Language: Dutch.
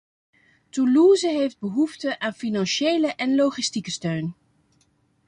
Toulouse heeft behoefte aan financiële en logistieke steun.